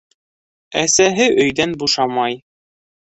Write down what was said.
Әсәһе өйҙән бушамай.